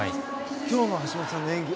今日の橋本さんの演技。